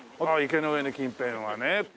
池ノ上の近辺はね。